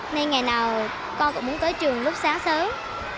nên ngày nào con cũng muốn tới trường lúc sáng sớm